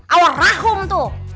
awal rahum tuh